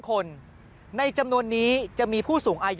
กลับวันนั้นไม่เอาหน่อย